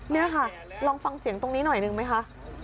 นี่ค่ะลองฟังเสียงตรงนี้หน่อยหนึ่งไหมคะ